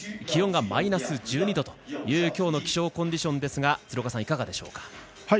気温がマイナス１２度という今日の気象コンディションですが鶴岡さん、いかがでしょうか？